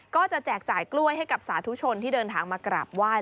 แจกจ่ายกล้วยให้กับสาธุชนที่เดินทางมากราบไหว้